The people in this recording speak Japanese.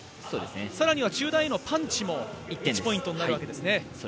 更には中段へのパンチも１ポイントになるわけですね。